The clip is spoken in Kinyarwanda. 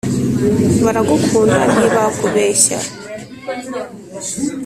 baragukunda ntibakubeshya